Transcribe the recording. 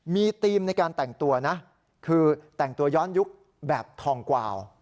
มีธีมในการแต่งตัวนะคือแต่งตัวย้อนยุคแบบทองกวาว